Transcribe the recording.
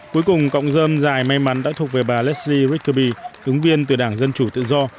cuối cùng cọng dơm dài may mắn đã thuộc về bà leslie rickaby ứng viên từ đảng dân chủ tự do